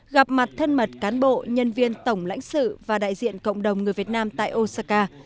gặp mặt thân mật cán bộ nhân viên tổng lãnh sự và đại diện cộng đồng người việt nam tại osaka